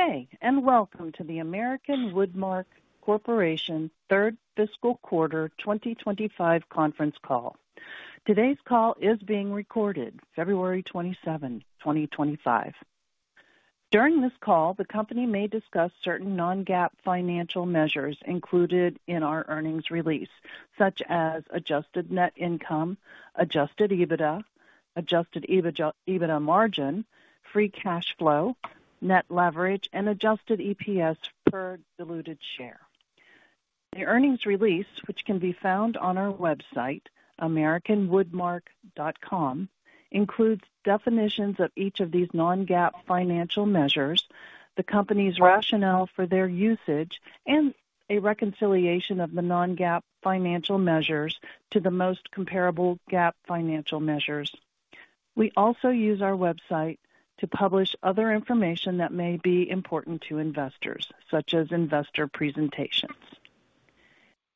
Good day and welcome to the American Woodmark Corporation Third Fiscal Quarter 2025 conference call. Today's call is being recorded, February 27, 2025. During this call, the company may discuss certain non-GAAP financial measures included in our earnings release, such as Adjusted Net Income, Adjusted EBITDA, Adjusted EBITDA Margin, Free Cash Flow, Net Leverage, and Adjusted EPS per diluted share. The earnings release, which can be found on our website, americanwoodmark.com, includes definitions of each of these non-GAAP financial measures, the company's rationale for their usage, and a reconciliation of the non-GAAP financial measures to the most comparable GAAP financial measures. We also use our website to publish other information that may be important to investors, such as investor presentations.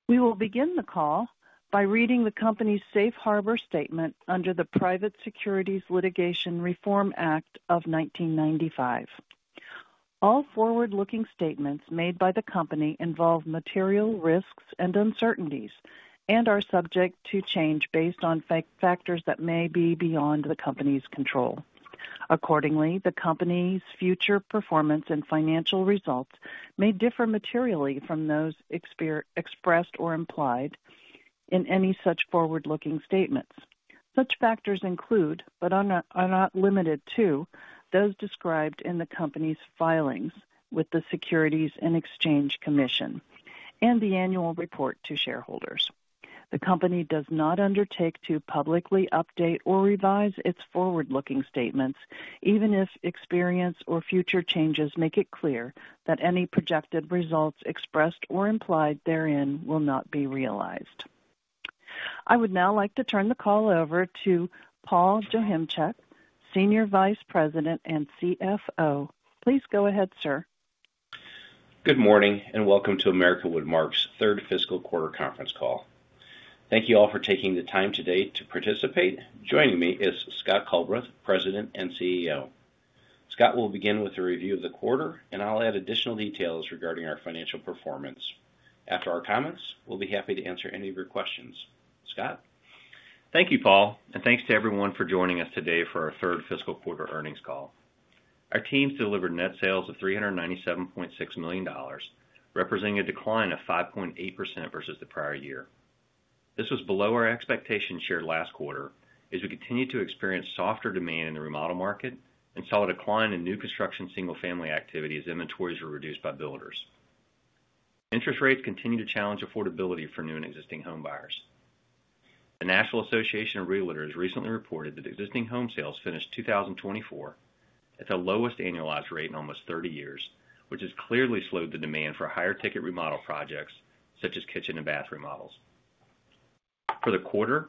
We will begin the call by reading the company's safe harbor statement under the Private Securities Litigation Reform Act of 1995. All forward-looking statements made by the company involve material risks and uncertainties and are subject to change based on factors that may be beyond the company's control. Accordingly, the company's future performance and financial results may differ materially from those expressed or implied in any such forward-looking statements. Such factors include, but are not limited to, those described in the company's filings with the Securities and Exchange Commission and the annual report to shareholders. The company does not undertake to publicly update or revise its forward-looking statements, even if experience or future changes make it clear that any projected results expressed or implied therein will not be realized. I would now like to turn the call over to Paul Joachimczyk, Senior Vice President and CFO. Please go ahead, sir. Good morning and welcome to American Woodmark's Third Fiscal Quarter conference call. Thank you all for taking the time today to participate. Joining me is Scott Culbreth, President and CEO. Scott will begin with a review of the quarter, and I'll add additional details regarding our financial performance. After our comments, we'll be happy to answer any of your questions. Scott? Thank you, Paul, and thanks to everyone for joining us today for our Third Fiscal Quarter earnings call. Our teams delivered net sales of $397.6 million, representing a decline of 5.8% versus the prior year. This was below our expectations shared last quarter as we continued to experience softer demand in the remodel market and saw a decline in new construction single-family activity as inventories were reduced by builders. Interest rates continue to challenge affordability for new and existing homebuyers. The National Association of Realtors recently reported that existing home sales finished 2024 at the lowest annualized rate in almost 30 years, which has clearly slowed the demand for higher-ticket remodel projects such as kitchen and bath remodels. For the quarter,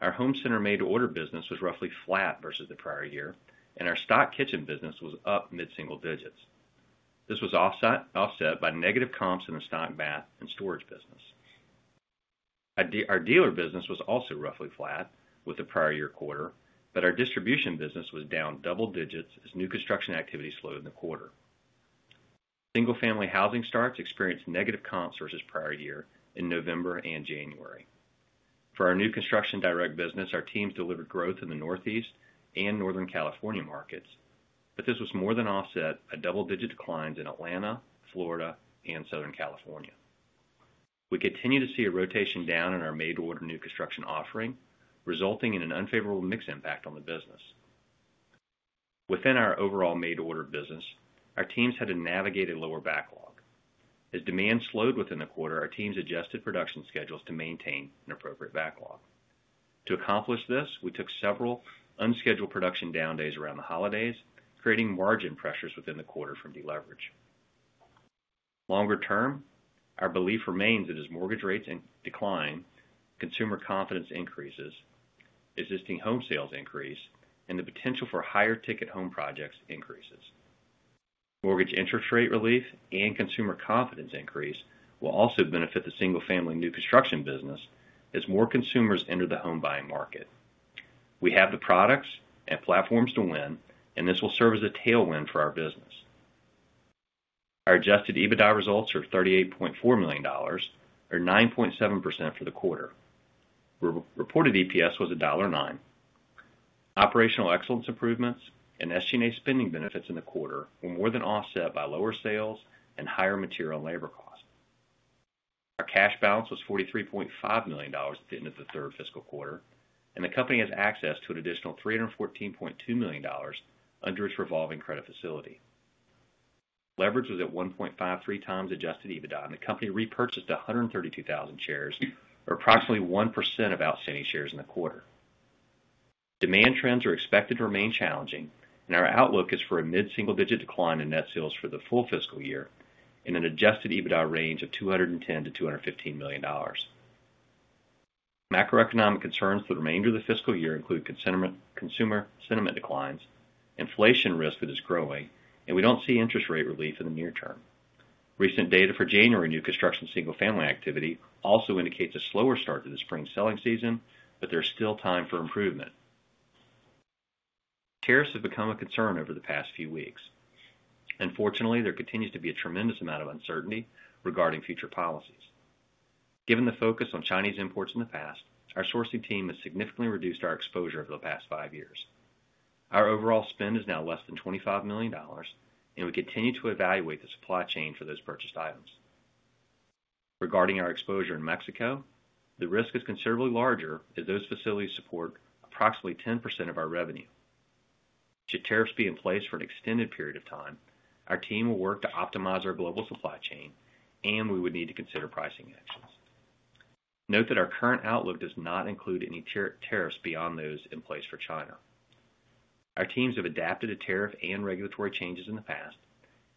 our home center made-to-order business was roughly flat versus the prior year, and our stock kitchen business was up mid-single digits. This was offset by negative comps in the stock bath and storage business. Our dealer business was also roughly flat with the prior year quarter, but our distribution business was down double digits as new construction activity slowed in the quarter. Single-family housing starts experienced negative comps versus prior year in November and January. For our new construction direct business, our teams delivered growth in the Northeast and Northern California markets, but this was more than offset by double-digit declines in Atlanta, Florida, and Southern California. We continue to see a rotation down in our made-to-order new construction offering, resulting in an unfavorable mix impact on the business. Within our overall made-to-order business, our teams had to navigate a lower backlog. As demand slowed within the quarter, our teams adjusted production schedules to maintain an appropriate backlog. To accomplish this, we took several unscheduled production down days around the holidays, creating margin pressures within the quarter from deleverage. Longer term, our belief remains that as mortgage rates decline, consumer confidence increases, existing home sales increase, and the potential for higher-ticket home projects increases. Mortgage interest rate relief and consumer confidence increase will also benefit the single-family new construction business as more consumers enter the home buying market. We have the products and platforms to win, and this will serve as a tailwind for our business. Our Adjusted EBITDA results are $38.4 million, or 9.7% for the quarter. Reported EPS was $1.09. Operational excellence improvements and SG&A spending benefits in the quarter were more than offset by lower sales and higher material and labor costs. Our cash balance was $43.5 million at the end of the third fiscal quarter, and the company has access to an additional $314.2 million under its revolving credit facility. Leverage was at 1.53 times Adjusted EBITDA, and the company repurchased 132,000 shares, or approximately 1% of outstanding shares in the quarter. Demand trends are expected to remain challenging, and our outlook is for a mid-single-digit decline in net sales for the full fiscal year in an Adjusted EBITDA range of $210 to $215 million. Macroeconomic concerns for the remainder of the fiscal year include consumer sentiment declines, inflation risk that is growing, and we don't see interest rate relief in the near term. Recent data for January new construction single-family activity also indicates a slower start to the spring selling season, but there's still time for improvement. Tariffs have become a concern over the past few weeks. Unfortunately, there continues to be a tremendous amount of uncertainty regarding future policies. Given the focus on Chinese imports in the past, our sourcing team has significantly reduced our exposure over the past five years. Our overall spend is now less than $25 million, and we continue to evaluate the supply chain for those purchased items. Regarding our exposure in Mexico, the risk is considerably larger as those facilities support approximately 10% of our revenue. Should tariffs be in place for an extended period of time, our team will work to optimize our global supply chain, and we would need to consider pricing actions. Note that our current outlook does not include any tariffs beyond those in place for China. Our teams have adapted to tariff and regulatory changes in the past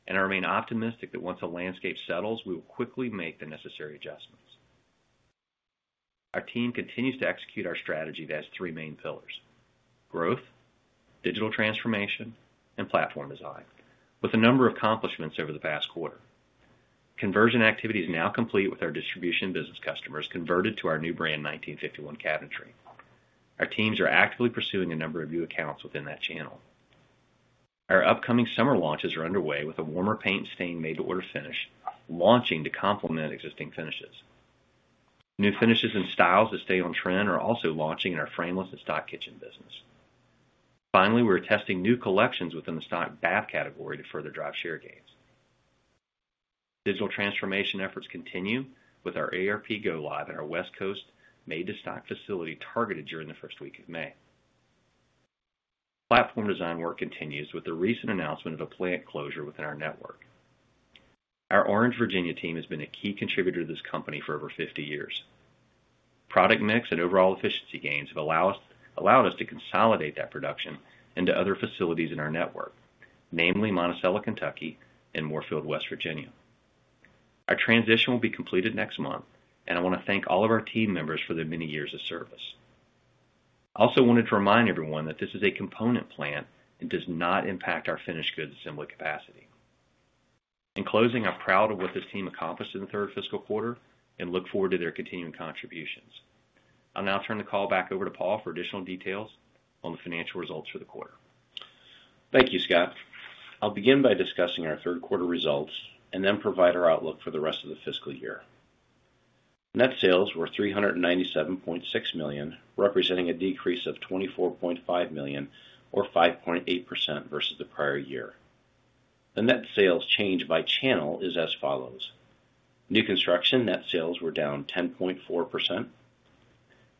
and are remaining optimistic that once the landscape settles, we will quickly make the necessary adjustments. Our team continues to execute our strategy that has three main pillars: growth, digital transformation, and platform design, with a number of accomplishments over the past quarter. Conversion activity is now complete with our distribution business customers converted to our new brand 1951 Cabinetry. Our teams are actively pursuing a number of new accounts within that channel. Our upcoming summer launches are underway with a warmer paint stain made-to-order finish launching to complement existing finishes. New finishes and styles that stay on trend are also launching in our frameless and stock kitchen business. Finally, we're testing new collections within the stock bath category to further drive share gains. Digital transformation efforts continue with our ERP Go Live at our West Coast made-to-stock facility targeted during the first week of May. Platform design work continues with the recent announcement of a plant closure within our network. Our Orange, Virginia team has been a key contributor to this company for over 50 years. Product mix and overall efficiency gains have allowed us to consolidate that production into other facilities in our network, namely Monticello, Kentucky, and Moorefield, West Virginia. Our transition will be completed next month, and I want to thank all of our team members for the many years of service. I also wanted to remind everyone that this is a component plant and does not impact our finished goods assembly capacity. In closing, I'm proud of what this team accomplished in the third fiscal quarter and look forward to their continuing contributions. I'll now turn the call back over to Paul for additional details on the financial results for the quarter. Thank you, Scott. I'll begin by discussing our Third Quarter results and then provide our outlook for the rest of the fiscal year. Net sales were $397.6 million, representing a decrease of $24.5 million, or 5.8% versus the prior year. The net sales change by channel is as follows. New construction net sales were down 10.4%.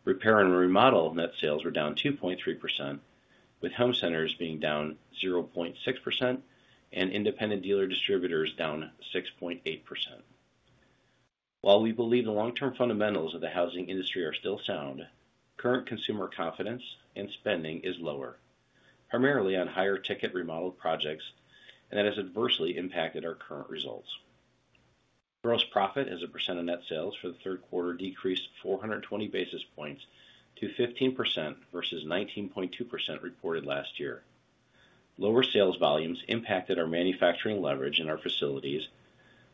Repair and remodel net sales were down 2.3%, with home centers being down 0.6% and independent dealer distributors down 6.8%. While we believe the long-term fundamentals of the housing industry are still sound, current consumer confidence and spending is lower, primarily on higher-ticket remodel projects, and that has adversely impacted our current results. Gross profit as a % of net sales for the Third Quarter decreased 420 bps to 15% versus 19.2% reported last year. Lower sales volumes impacted our manufacturing leverage in our facilities,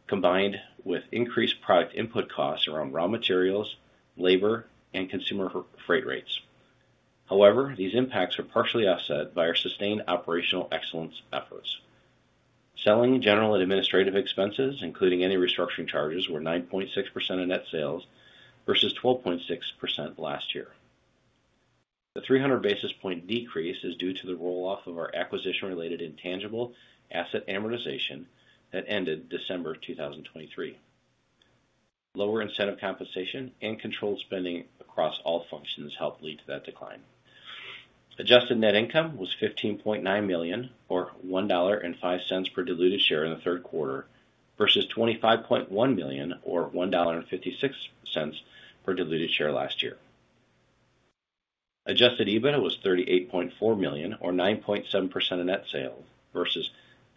combined with increased product input costs around raw materials, labor, and consumer freight rates. However, these impacts are partially offset by our sustained operational excellence efforts. Selling, general, and administrative expenses, including any restructuring charges, were 9.6% of net sales versus 12.6% last year. The 300 bp decrease is due to the roll-off of our acquisition-related intangible asset amortization that ended December 2023. Lower incentive compensation and controlled spending across all functions helped lead to that decline. Adjusted Net Income was $15.9 million, or $1.05 per diluted share in the third quarter, versus $25.1 million, or $1.56 per diluted share last year. Adjusted EBITDA was $38.4 million, or 9.7% of net sales, versus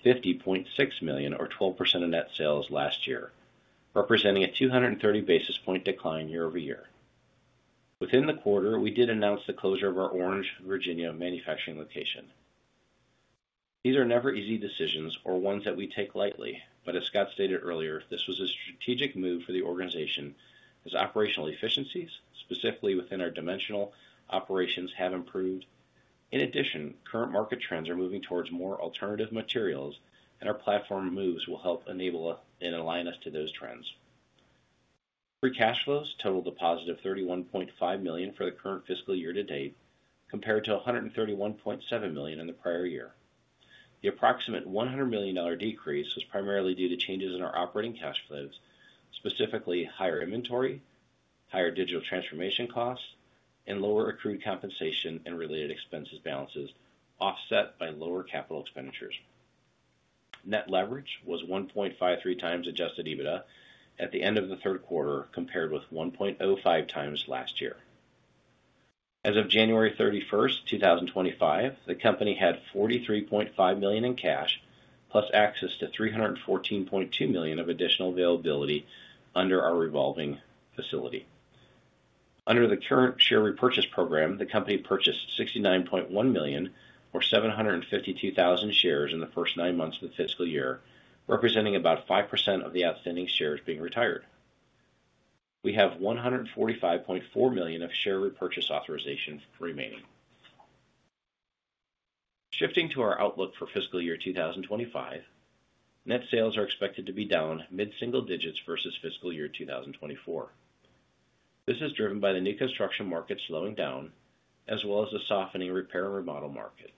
$50.6 million, or 12% of net sales last year, representing a 230 bp decline year-over-year. Within the quarter, we did announce the closure of our Orange, Virginia manufacturing location. These are never easy decisions or ones that we take lightly, but as Scott stated earlier, this was a strategic move for the organization as operational efficiencies, specifically within our dimensional operations, have improved. In addition, current market trends are moving towards more alternative materials, and our platform moves will help enable and align us to those trends. Free cash flows totaled a positive $31.5 million for the current fiscal year to date, compared to $131.7 million in the prior year. The approximate $100 million decrease was primarily due to changes in our operating cash flows, specifically higher inventory, higher digital transformation costs, and lower accrued compensation and related expenses balances offset by lower capital expenditures. Net Leverage was 1.53 times Adjusted EBITDA at the end of the third quarter, compared with 1.05 times last year. As of January 31st, 2025, the company had $43.5 million in cash, plus access to $314.2 million of additional availability under our revolving facility. Under the current share repurchase program, the company purchased $69.1 million, or 752,000 shares in the first nine months of the fiscal year, representing about 5% of the outstanding shares being retired. We have $145.4 million of share repurchase authorization remaining. Shifting to our outlook for fiscal year 2025, net sales are expected to be down mid-single digits versus fiscal year 2024. This is driven by the new construction market slowing down, as well as the softening repair and remodel market,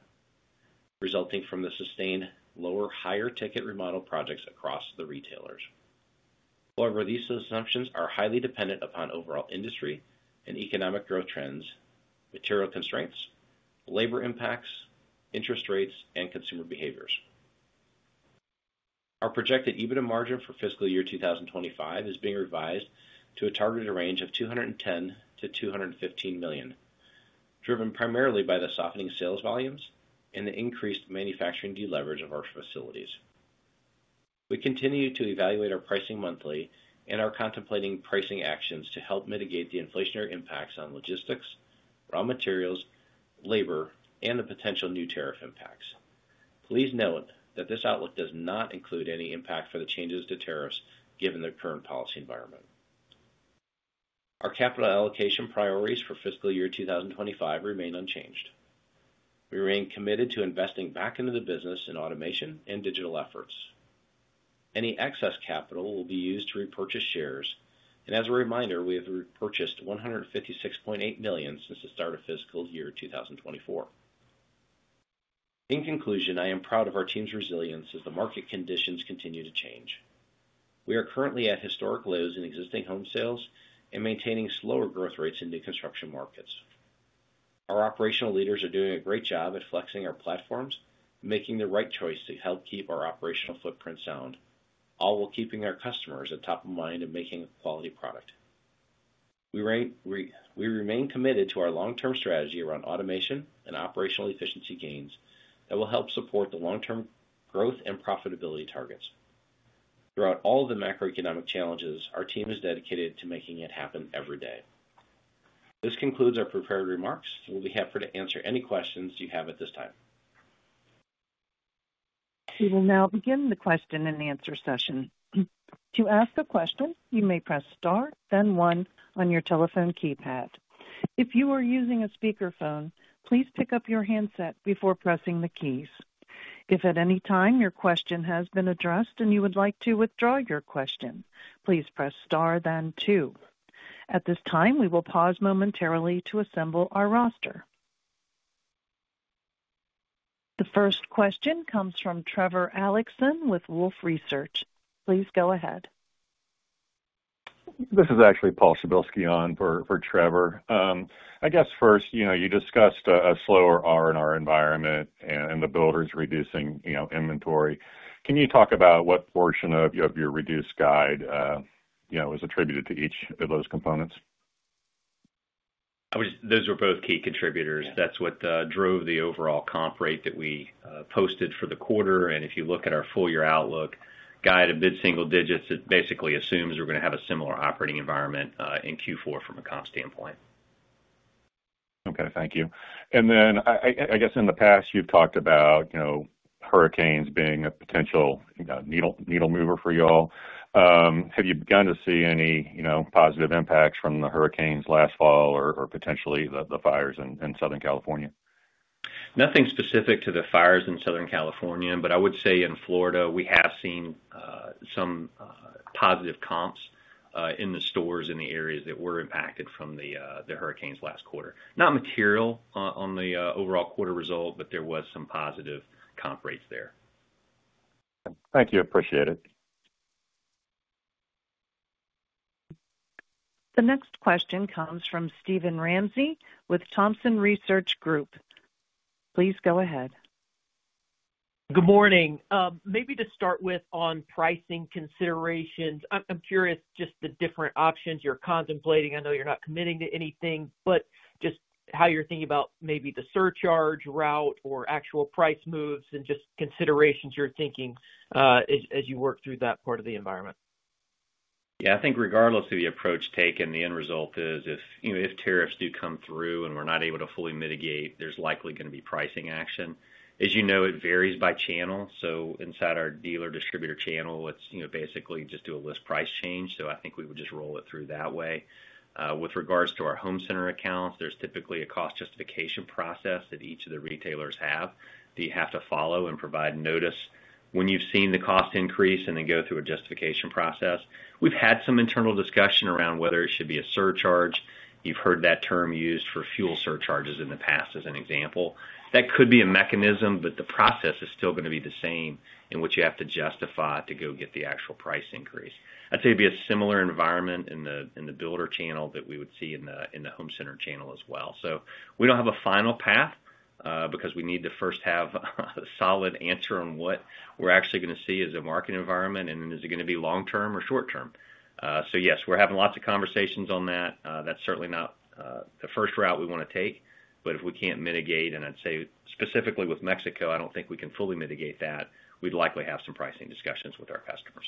resulting from the sustained lower higher-ticket remodel projects across the retailers. However, these assumptions are highly dependent upon overall industry and economic growth trends, material constraints, labor impacts, interest rates, and consumer behaviors. Our projected EBITDA margin for fiscal year 2025 is being revised to a targeted range of $210 million-$215 million, driven primarily by the softening sales volumes and the increased manufacturing deleverage of our facilities. We continue to evaluate our pricing monthly and are contemplating pricing actions to help mitigate the inflationary impacts on logistics, raw materials, labor, and the potential new tariff impacts. Please note that this outlook does not include any impact for the changes to tariffs given the current policy environment. Our capital allocation priorities for fiscal year 2025 remain unchanged. We remain committed to investing back into the business in automation and digital efforts. Any excess capital will be used to repurchase shares, and as a reminder, we have repurchased $156.8 million since the start of fiscal year 2024. In conclusion, I am proud of our team's resilience as the market conditions continue to change. We are currently at historic lows in existing home sales and maintaining slower growth rates in new construction markets. Our operational leaders are doing a great job at flexing our platforms, making the right choice to help keep our operational footprint sound, all while keeping our customers at top of mind and making a quality product. We remain committed to our long-term strategy around automation and operational efficiency gains that will help support the long-term growth and profitability targets. Throughout all of the macroeconomic challenges, our team is dedicated to making it happen every day. This concludes our prepared remarks, and we'll be happy to answer any questions you have at this time. We will now begin the question and answer session. To ask a question, you may press star, then one on your telephone keypad. If you are using a speakerphone, please pick up your handset before pressing the keys. If at any time your question has been addressed and you would like to withdraw your question, please press star, then two. At this time, we will pause momentarily to assemble our roster. The first question comes from Trevor Allinson with Wolfe Research. Please go ahead. This is actually Paul Szymborski on for Trevor. I guess first, you discussed a slower R&R environment and the builders reducing inventory. Can you talk about what portion of your reduced guide was attributed to each of those components? Those were both key contributors. That's what drove the overall comp rate that we posted for the quarter, and if you look at our full year outlook, guide at mid-single digits, it basically assumes we're going to have a similar operating environment in Q4 from a comp standpoint. Okay. Thank you. And then I guess in the past, you've talked about hurricanes being a potential needle mover for you all. Have you begun to see any positive impacts from the hurricanes last fall or potentially the fires in Southern California? Nothing specific to the fires in Southern California, but I would say in Florida, we have seen some positive comps in the stores in the areas that were impacted from the hurricanes last quarter. Not material on the overall quarter result, but there was some positive comp rates there. Thank you. Appreciate it. The next question comes from Steven Ramsey with Thompson Research Group. Please go ahead. Good morning. Maybe to start with on pricing considerations, I'm curious just the different options you're contemplating. I know you're not committing to anything, but just how you're thinking about maybe the surcharge route or actual price moves and just considerations you're thinking as you work through that part of the environment? Yeah. I think regardless of the approach taken, the end result is if tariffs do come through and we're not able to fully mitigate, there's likely going to be pricing action. As you know, it varies by channel. So inside our dealer distributor channel, it's basically just do a list price change. So I think we would just roll it through that way. With regards to our home center accounts, there's typically a cost justification process that each of the retailers have that you have to follow and provide notice when you've seen the cost increase and then go through a justification process. We've had some internal discussion around whether it should be a surcharge. You've heard that term used for fuel surcharges in the past as an example. That could be a mechanism, but the process is still going to be the same in which you have to justify to go get the actual price increase. I'd say it'd be a similar environment in the builder channel that we would see in the home center channel as well, so we don't have a final path because we need to first have a solid answer on what we're actually going to see as a market environment, and then is it going to be long-term or short-term, so yes, we're having lots of conversations on that. That's certainly not the first route we want to take, but if we can't mitigate, and I'd say specifically with Mexico, I don't think we can fully mitigate that. We'd likely have some pricing discussions with our customers.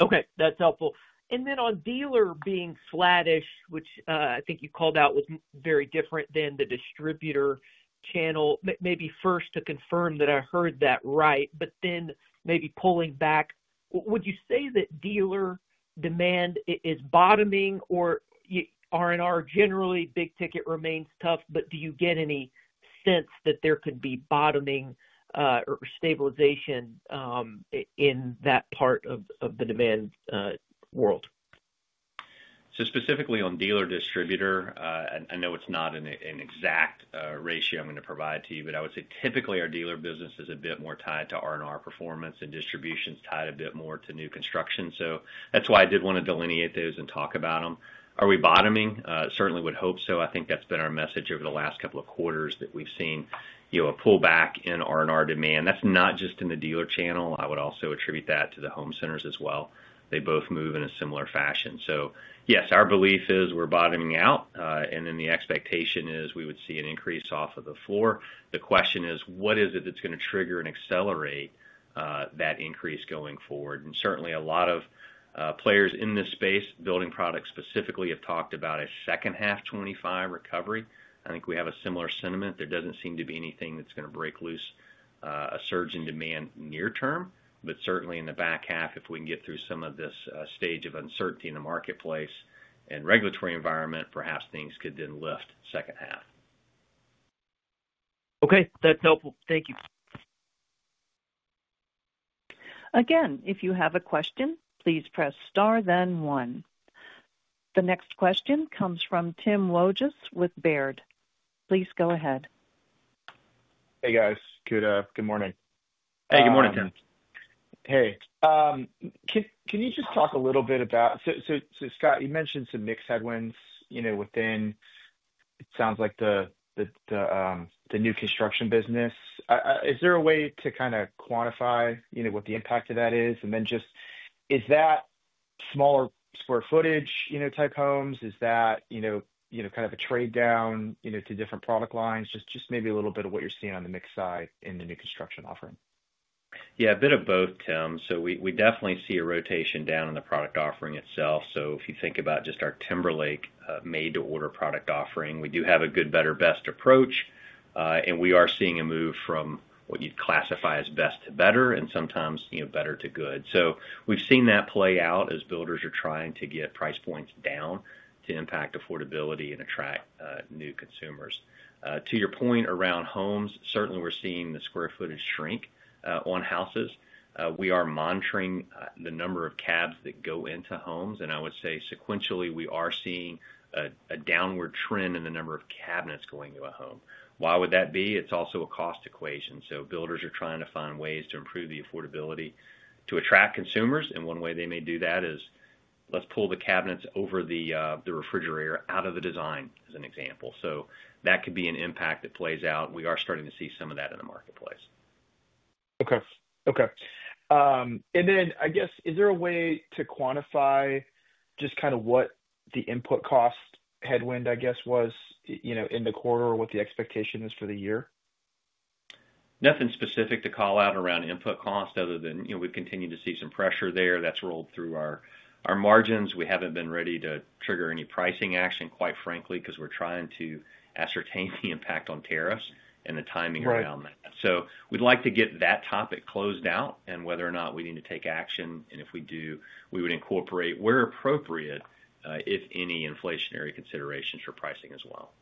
Okay. That's helpful. And then on dealer being sluggish, which I think you called out was very different than the distributor channel, maybe first to confirm that I heard that right, but then maybe pulling back, would you say that dealer demand is bottoming or R&R generally big ticket remains tough, but do you get any sense that there could be bottoming or stabilization in that part of the demand world? So specifically on dealer distributor, I know it's not an exact ratio I'm going to provide to you, but I would say typically our dealer business is a bit more tied to R&R performance, and distribution's tied a bit more to new construction. So that's why I did want to delineate those and talk about them. Are we bottoming? Certainly would hope so. I think that's been our message over the last couple of quarters that we've seen a pullback in R&R demand. That's not just in the dealer channel. I would also attribute that to the home centers as well. They both move in a similar fashion. So yes, our belief is we're bottoming out, and then the expectation is we would see an increase off of the floor. The question is, what is it that's going to trigger and accelerate that increase going forward? Certainly a lot of players in this space, building products specifically, have talked about a second half 2025 recovery. I think we have a similar sentiment. There doesn't seem to be anything that's going to break loose a surge in demand near term, but certainly in the back half, if we can get through some of this stage of uncertainty in the marketplace and regulatory environment, perhaps things could then lift second half. Okay. That's helpful. Thank you. Again, if you have a question, please press star, then one. The next question comes from Timothy Wojs with Baird. Please go ahead. Hey, guys. Good morning. Hey. Good morning, Tim. Hey. Can you just talk a little bit about so Scott, you mentioned some mixed headwinds within, it sounds like, the new construction business. Is there a way to kind of quantify what the impact of that is? And then just is that smaller square footage type homes? Is that kind of a trade down to different product lines? Just maybe a little bit of what you're seeing on the mixed side in the new construction offering. Yeah. A bit of both, Tim. So we definitely see a rotation down in the product offering itself. So if you think about just our Timberlake made-to-order product offering, we do have a good, better, best approach, and we are seeing a move from what you'd classify as best to better and sometimes better to good. So we've seen that play out as builders are trying to get price points down to impact affordability and attract new consumers. To your point around homes, certainly we're seeing the square footage shrink on houses. We are monitoring the number of cabs that go into homes, and I would say sequentially we are seeing a downward trend in the number of cabinets going into a home. Why would that be? It's also a cost equation. So builders are trying to find ways to improve the affordability to attract consumers, and one way they may do that is, "Let's pull the cabinets over the refrigerator out of the design," as an example. So that could be an impact that plays out. We are starting to see some of that in the marketplace. Okay. Okay. And then I guess, is there a way to quantify just kind of what the input cost headwind, I guess, was in the quarter or what the expectation is for the year? Nothing specific to call out around input cost other than we've continued to see some pressure there that's rolled through our margins. We haven't been ready to trigger any pricing action, quite frankly, because we're trying to ascertain the impact on tariffs and the timing around that. So we'd like to get that topic closed out and whether or not we need to take action, and if we do, we would incorporate, where appropriate, if any, inflationary considerations for pricing as well.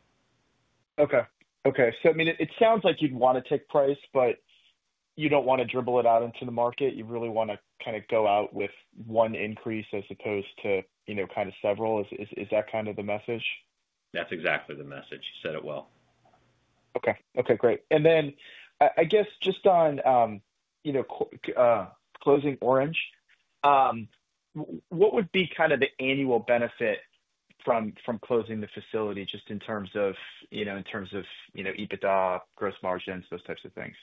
Okay. Okay. So I mean, it sounds like you'd want to take price, but you don't want to dribble it out into the market. You really want to kind of go out with one increase as opposed to kind of several. Is that kind of the message? That's exactly the message. You said it well. Okay. Okay. Great. And then I guess just on closing Orange, what would be kind of the annual benefit from closing the facility just in terms of EBITDA, gross margins, those types of things?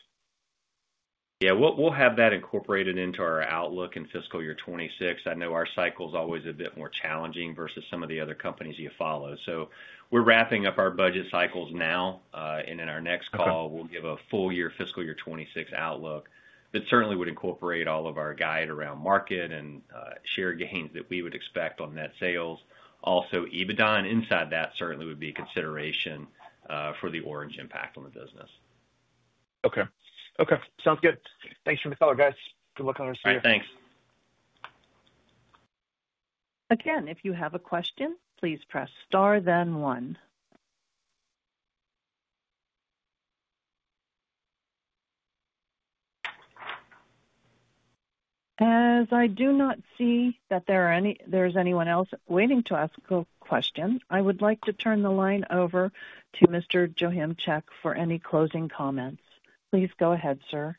Yeah. We'll have that incorporated into our outlook in fiscal year 2026. I know our cycle is always a bit more challenging versus some of the other companies you follow. So we're wrapping up our budget cycles now, and in our next call, we'll give a full year fiscal year 2026 outlook that certainly would incorporate all of our guide around market and share gains that we would expect on net sales. Also, EBITDA and inside that certainly would be a consideration for the Orange impact on the business. Okay. Okay. Sounds good. Thanks for your time, guys. Good luck on the rest of your. All right. Thanks. Again, if you have a question, please press star, then one. As I do not see that there is anyone else waiting to ask a question, I would like to turn the line over to Mr. Joachimczyk for any closing comments. Please go ahead, sir.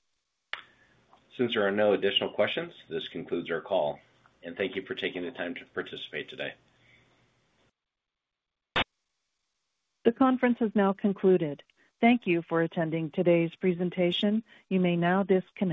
Since there are no additional questions, this concludes our call, and thank you for taking the time to participate today. The conference has now concluded. Thank you for attending today's presentation. You may now disconnect.